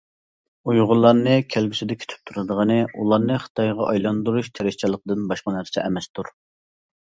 ئۇيغۇرلارنى كەلگۈسىدە كۈتۈپ تۇرىدىغىنى ئۇلارنى خىتايغا ئايلاندۇرۇش تىرىشچانلىقىدىن باشقا نەرسە ئەمەستۇر.